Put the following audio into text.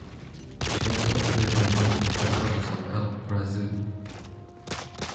She also appeared on one of the four covers of Elle Brazil.